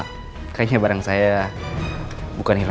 kek pentingnya harus ini jadi tantang kita selalu